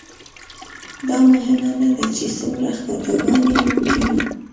دا مهمه نه ده چې څومره خطاګانې مو کړي.